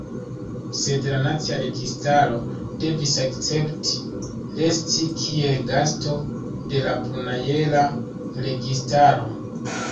Sed la nacia registaro devis akcepti resti kiel gasto de la bonaera registaro.